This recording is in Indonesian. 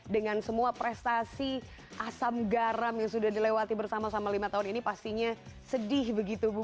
dengan semua prestasi asam garam yang sudah dilewati bersama sama lima tahun ini pastinya sedih begitu bu